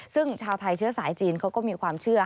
ซึ่งชาวไทยเชื้อสายจีนเขาก็มีความเชื่อ